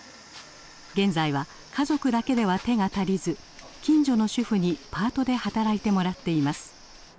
現在は家族だけでは手が足りず近所の主婦にパートで働いてもらっています。